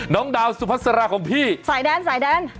น้องดาวสุพัสราของพี่สายแดนสายแดน